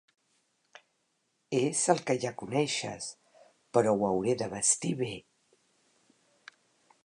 És el que ja coneixes, però ho hauré de vestir bé.